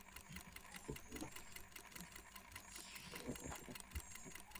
Tunasema, "Kitabu kimepotea - Vitabu vimepotea."